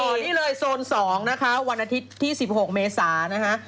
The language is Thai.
นี่เลยโซน๒นะคะวันอาทิตย์ที่๑๖เมษานะคะ